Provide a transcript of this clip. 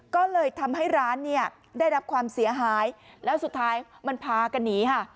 ก็เลยทำให้ร้านเนี่ยได้รับความเสียหายแล้วสุดท้ายมันพากันหนีค่ะ